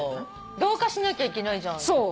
同化しなきゃいけないじゃん。